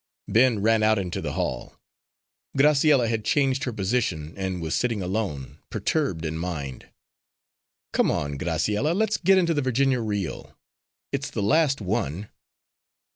"_ Ben ran out into the hall. Graciella had changed her position and was sitting alone, perturbed in mind. "Come on, Graciella, let's get into the Virginia reel; it's the last one."